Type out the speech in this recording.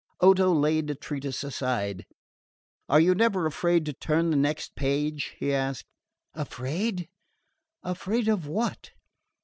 Odo laid the treatise aside. "Are you never afraid to turn the next page?" he asked. "Afraid? Afraid of what?"